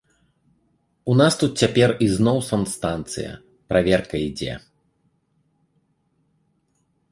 У нас тут цяпер ізноў санстанцыя, праверка ідзе.